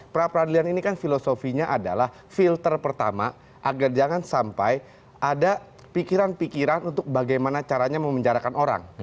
pra peradilan ini kan filosofinya adalah filter pertama agar jangan sampai ada pikiran pikiran untuk bagaimana caranya memenjarakan orang